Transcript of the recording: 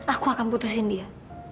aku akan putusin dia